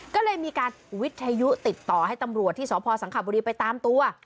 ก็เลยมีการวิทยุติดต่อให้ตำรวจที่สพสังขบุรีไปตามตัว